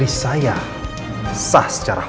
itu yg benar